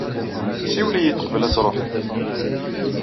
Siwel-iyi-d qbel ad truḥeḍ.